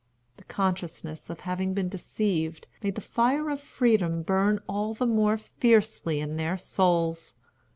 The consciousness of having been deceived made the fire of freedom burn all the more fiercely in their souls.